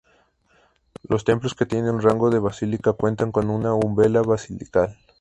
Los templos que tienen rango de basílica cuentan con una umbela basilical.